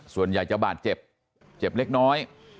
ส่วนใหญ่จะบาดเจ็บเจ็บเล็กน้อย